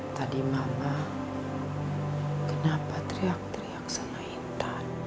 tadi mama kenapa teriak teriak sama intan